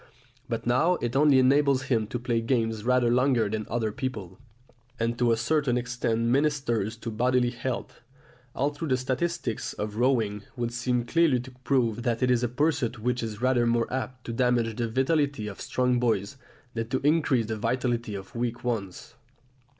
But now it only enables him to play games rather longer than other people, and to a certain extent ministers to bodily health, although the statistics of rowing would seem clearly to prove that it is a pursuit which is rather more apt to damage the vitality of strong boys than to increase the vitality of weak ones.